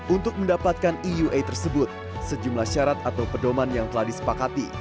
untuk mendapatkan eua tersebut sejumlah syarat atau pedoman yang telah disepakati